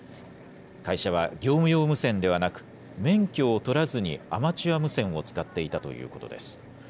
会社は業務用無線ではなく、免許を取らずにアマチュア無線を使っていたということです。